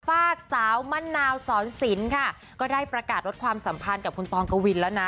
ฝากสาวมะนาวสอนศิลป์ค่ะก็ได้ประกาศลดความสัมพันธ์กับคุณตองกวินแล้วนะ